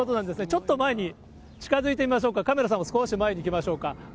ちょっと前に近づいてみましょうか、カメラさんもちょっと前に行きましょうか。